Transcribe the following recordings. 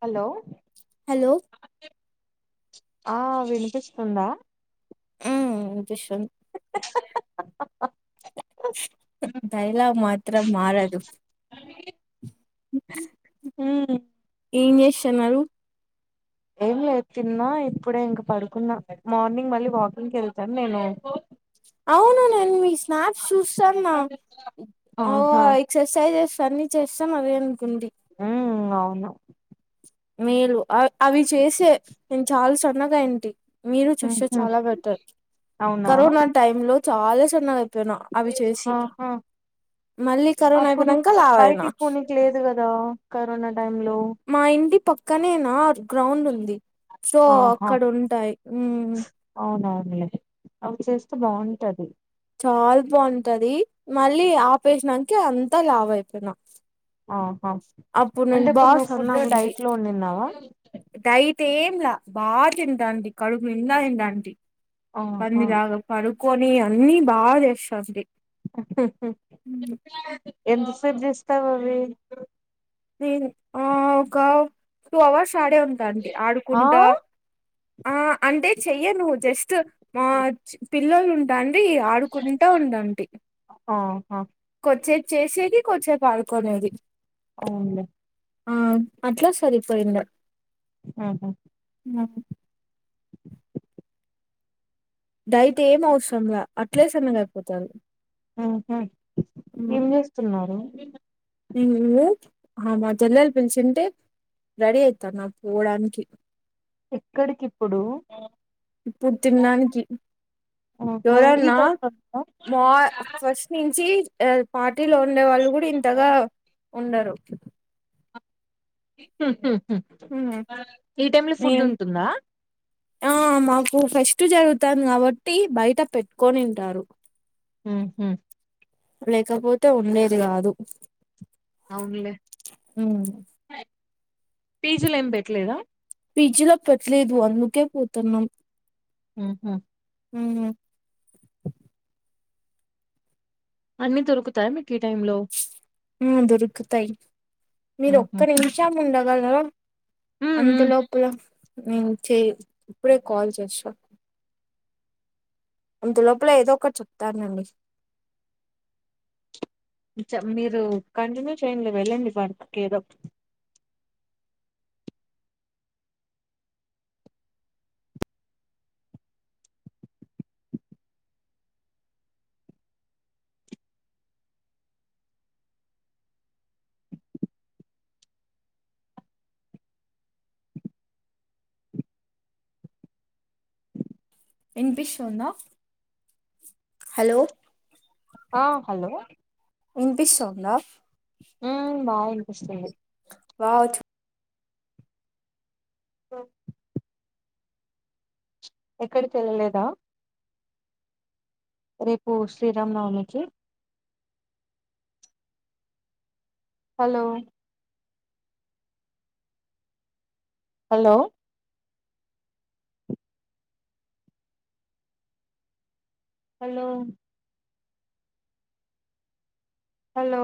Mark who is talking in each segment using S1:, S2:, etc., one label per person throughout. S1: hello
S2: hello
S1: ఆ వినిపిస్తుందా
S2: ఉమ్ వినిపిస్తుంది డైలాగ్ మాత్రం మారదు
S1: ఉమ్
S2: ఏం చేస్తున్నారు
S1: ఏం లేదు తిన్నా ఇప్పుడే ఇంక పడుకున్నా మార్నింగ్ మళ్ళీ వాకింగ్కి వెళ్తాను నేను
S2: అవును నన్ మీ స్ స్నాప్స్ చూస్తాన్నా ఓ
S1: ఆహా
S2: ఎక్సర్సైజ్స్ అన్నీ చేస్తాం అదేండి కుంది
S1: ఉమ్ అవును
S2: మేలు అ అవి చేసే నేను చాలా సన్నగా అయింది మీరు చేస్తే
S1: ఉహు
S2: చాలా బెటర్
S1: అవునా
S2: కరోనా టైమ్ లో చాలా చన్నగా అయిపో పోయినా అవి చేసి
S1: ఆహా
S2: మళ్ళీ కరోనా
S1: అప్పుడు
S2: అయిపోయినాక లావయినా
S1: బయటికి పోనీకి లేదు కరోనా టైమ్ లో
S2: మా ఇంటి పక్కనేనా గ్రౌండ్ ఉంది సో
S1: ఆహా
S2: అక్కడ ఉంటాయి
S1: అవునవునులే అవి చేస్తే బాగుంటది
S2: చాలా బాగుంటది మళ్ళీ ఆపేసడానికి అంతా లాభ అయిపోయినా
S1: ఆహా
S2: అప్పుడు
S1: అంటే
S2: నేను
S1: ఇప్పుడు
S2: బాగా
S1: నువ్వు ఫుడ్
S2: సన్నగుంటి
S1: డైట్ లో ఉన్నున్నావా
S2: తేంలా బాగా తింటాంటి నేను కడుపు నిండా తింటాంటీ
S1: ఆహా
S2: పందిలాగ పరు కొని అన్ని బాగా చేస్తాంటి
S1: ఎంత సేన్జేస్తావ్ అవి
S2: ఆహ్ ఒక టు అవర్స్ ఆడే ఉంటాంటి
S1: ఆ
S2: ఆడుకుంటా ఆహ్ అంటే చెయ్యను జస్ట్ తాండ్రి ఆడుకుంటా ఉండడి
S1: ఆహా
S2: కొచ్చే చేసేది కాసేపు ఆడుకునేది
S1: అవును
S2: ఆ అట్లా సరిపోయింద
S1: ఆ
S2: ఆ డైట్ ఏం అవసరంలా అట్లే సన్నగయిపోతారు
S1: ఆహా ఏం చేస్తున్నారు
S2: నువ్వు మా చెల్లెలు పిలిచింటే రెడీ అవుతాన్న పోవడానికి
S1: ఎక్కడికిప్పుడు
S2: ఇప్పుడు తినడానికి
S1: ఆహా ఈ
S2: ఎవరన్నా
S1: టైం లోనా
S2: మా ఫస్ట్ నుంచి పార్టీలో ఉండే వాళ్ళు కూడా ఇంతగా ఉండరు
S1: హహ ఉంటుందా
S2: ఆ మాకు ఫస్ట్ ట్టు జరుగుతంది కాబట్టి బయట పెట్టుకొనింటారు
S1: హ హ
S2: లేకపోతే ఉండేది కాదు
S1: అవునులే పీజులు ఏం పెట్టలేదా
S2: పీజిలో పెట్టలేదు అందుకే పోతున్నాం
S1: హహ
S2: హ
S1: అన్ని దొరుకుతాయి మీకు ఈ టై లో
S2: ఆ దొరుకుతాయి మీరు
S1: ఉహు
S2: ఒక్క నిమిషం ఉండదు
S1: ఉమ్
S2: అంత
S1: ఉమ్
S2: లోపల నేను చే ఇప్పుడే కాల్ చేస్తా అంత లోపల ఏదో ఒకటి చెప్తారునండి
S1: మీరు కంటిన్యూ టైన్ లో వెళ్ళండి వర్క్ కేలో
S2: ఎన్పిషందా హలో
S1: ఆ హలో
S2: ఇంగ్లీష్ ఉంద
S1: ఆ బాగా అనిపిస్తుంది
S2: వావచ్చ
S1: ఓ ఎక్కడి తెల్లలేదా రేపు శ్రీరామ్నవమికి hello hello hello hello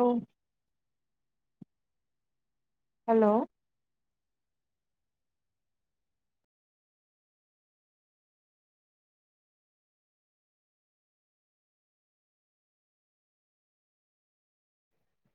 S1: hello